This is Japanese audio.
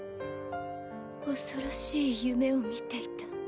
恐ろしい夢を見ていた。